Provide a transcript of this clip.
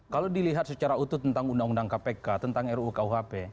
kalau dilihat secara utuh tentang undang undang kpk tentang ruu kuhp